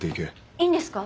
いいんですか？